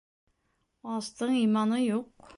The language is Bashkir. Астың иманы юҡ.